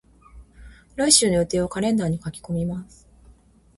来週の予定をカレンダーに書き込みます。